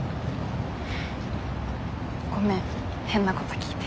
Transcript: ごめん変なこと聞いて。